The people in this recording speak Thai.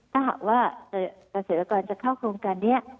ถ้าหากว่าเกษตรกรจะเข้าโครงการนี้